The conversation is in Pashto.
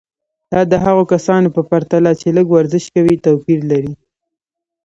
دا د هغو کسانو په پرتله چې لږ ورزش کوي توپیر لري.